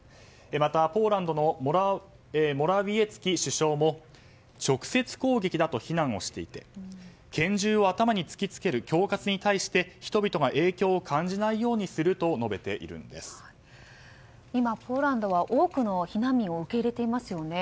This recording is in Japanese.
また、ポーランドのモラウィエツキ首相も直接攻撃だと非難していて拳銃を頭に突きつける恐喝に対して人々が影響を感じないようにすると今ポーランドは多くの避難民を受け入れていますよね。